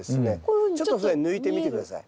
ちょっとそれ抜いてみて下さい。